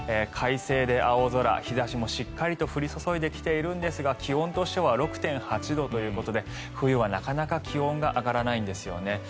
快晴で青空日差しもしっかりと降り注いでいるんですが気温としては６．８度ということで冬はなかなか気温が上がらないんですよね。